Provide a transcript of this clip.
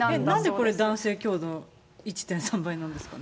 なんでこれ、男性、強度１．３倍なんですかね。